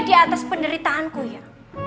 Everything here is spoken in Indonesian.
di atas penderitaanku ya